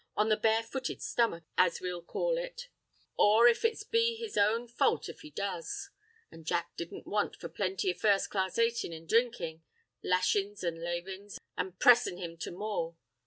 on the barefooted stomach—as we'll call it—or it'll be his own fault if he does; an' Jack didn't want for plenty of first class aitin' an' dhrinkin', lashin's an' laivin's, and pressin' him to more.